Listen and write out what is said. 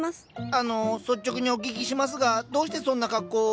あのう率直にお聞きしますがどうしてそんな格好を？